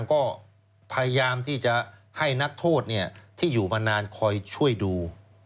ก็พยายามที่จะให้นักโทษที่อยู่มานานคอยช่วยดู